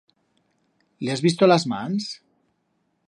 Le has visto las mans?